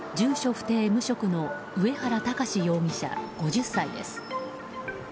不定・無職の上原巌容疑者、５０歳です。